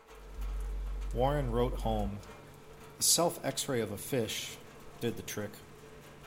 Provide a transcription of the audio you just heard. Warren wrote home, A self x ray of a fish ... did the trick.